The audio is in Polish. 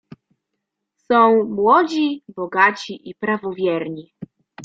"Są młodzi, bogaci i prawowierni."